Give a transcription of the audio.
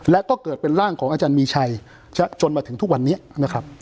และก็เกิดเป็นร่างของอาจารย์มีชัยจนมาถึงทุกวันนี้นะครับ